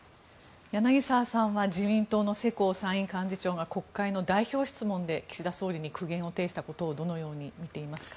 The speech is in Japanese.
柳澤さんは自民党の世耕参院幹事長が国会の代表質問で岸田総理に苦言を呈したことをどのように見ていますか？